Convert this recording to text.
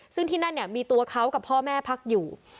ซึ่งที่นั่นเนี่ยมีตัวเขากับพ่อแม่พักอยู่